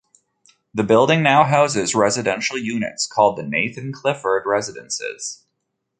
The building now houses residential units, called the Nathan Clifford Residences.